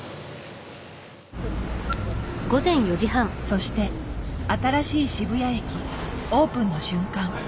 そして新しい渋谷駅オープンの瞬間。